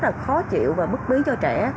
nó rất là khó chịu và bức bí cho trẻ